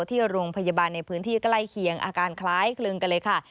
ที่โรงพยาบาลในพื้นที่ใกล้เคียงอาการคล้ายคลึงกันเลยค่ะ